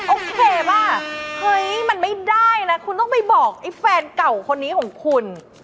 โอเคป่ะเฮ้ยมันไม่ได้นะคุณต้องไปบอกไอ้แฟนเก่าคนนี้ของคุณ